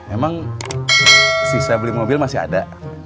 emang sisa beli mobil masih ada